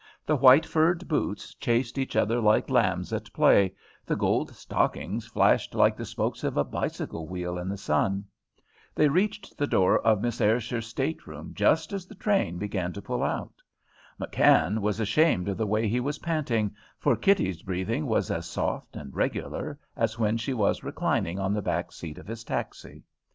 The white furred boots chased each other like lambs at play, the gold stockings flashed like the spokes of a bicycle wheel in the sun. They reached the door of Miss Ayrshire's state room just as the train began to pull out. McKann was ashamed of the way he was panting, for Kitty's breathing was as soft and regular as when she was reclining on the back seat of his taxi.